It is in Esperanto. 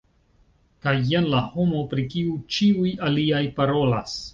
Kaj jen la homo pri kiu ĉiuj aliaj parolas.